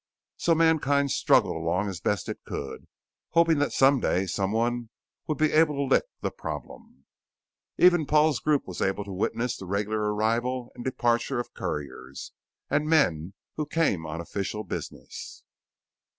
So Mankind struggled along as best it could, hoping that someday someone would be able to lick the problem. Even Paul's group was able to witness the regular arrival and departure of couriers and men who came on official business.